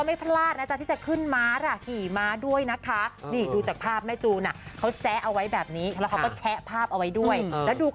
ไม่ใช่อะไรเป็นเด็กที่โตตอนเมาส์นั่นแหร่